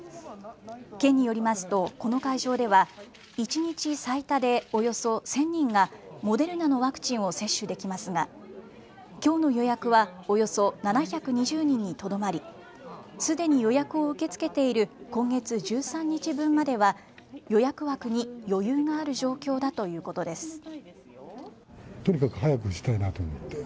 県によりますとこの会場では一日最多でおよそ１０００人がモデルナのワクチンを接種できますがきょうの予約は、およそ７２０人にとどまりすでに予約を受け付けている今月１３日分までは予約枠に余裕がある状況だということです。